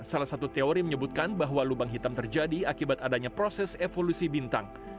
salah satu teori menyebutkan bahwa lubang hitam terjadi akibat adanya proses evolusi bintang